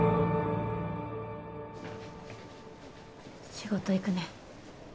仕事行くね。